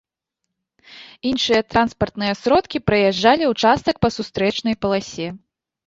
Іншыя транспартныя сродкі праязджалі ўчастак па сустрэчнай паласе.